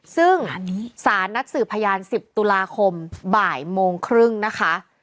ซึ่งสารนัดสืบพยาน๑๐ตุลาคมบ่ายโมงครึ่งนะคะ